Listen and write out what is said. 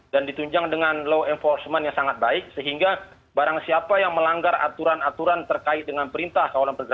dan ditunjang dengan law enforcement yang sangat baik sehingga barang siapa yang melanggar aturan aturan terkait dengan perintah